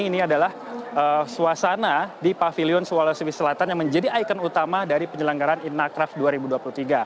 ini adalah suasana di pavilion sulawesi selatan yang menjadi ikon utama dari penyelenggaran inacraft dua ribu dua puluh tiga